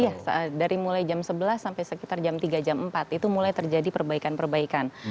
iya dari mulai jam sebelas sampai sekitar jam tiga jam empat itu mulai terjadi perbaikan perbaikan